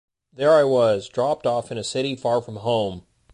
There I was, dropped off in a city far from home.